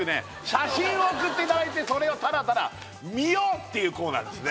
写真を送っていただいてそれをただただ見よう！っていうコーナーですね